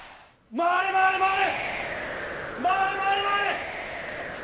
回れ、回れ、回れ！